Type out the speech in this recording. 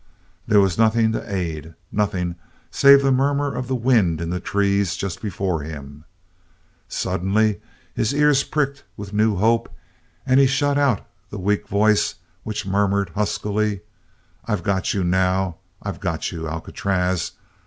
There was nothing to aid, nothing save the murmur of the wind in the trees just before him. Suddenly his ears pricked with new hope and he shut out the weak voice which murmured huskily: "I've got you now. I've got you, Alcatraz.